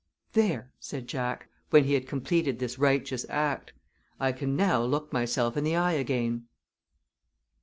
"There!" said Jack, when he had completed this righteous act. "I can now look myself in the eye again."